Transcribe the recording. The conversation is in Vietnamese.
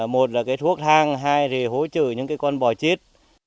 một là thuốc thang hai là hỗ trợ những con bò chết